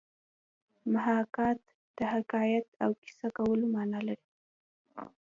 محاکات د حکایت او کیسه کولو مانا لري